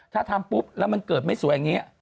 ถ้าทำปุ๊บแล้วมันเกิดไม่สวยอย่างนี้